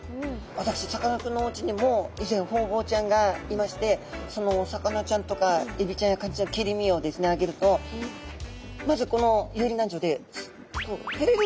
私さかなクンのおうちにも以前ホウボウちゃんがいましてそのお魚ちゃんとかエビちゃんやカニちゃんの切り身をあげるとまずこの遊離軟条でこう触れるんですね。